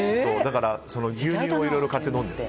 牛乳をいろいろ買って飲んでる。